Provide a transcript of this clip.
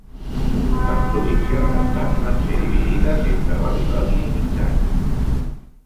Les províncies restants van ser dividides entre Babilònia i Mitjana.